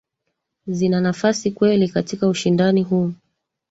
zina nafasi kweli katika ushindani huu